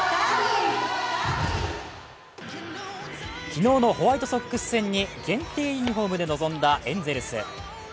昨日のホワイトソックス戦に限定ユニフォームで臨んだエンゼルス。